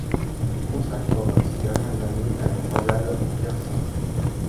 Il consacrera ses dernières années à la croisade en Terre Sainte.